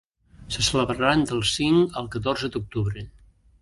Se celebraran del cinc al catorze d’octubre.